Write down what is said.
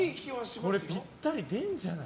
これ、ぴったり出るんじゃない？